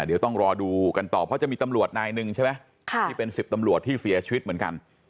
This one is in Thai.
เดี๋ยวต้องรอดูกันต่อเพราะจะมีตำรวจนายหนึ่งใช่ไหมที่เป็น๑๐ตำรวจที่เสียชีวิตเหมือนกัน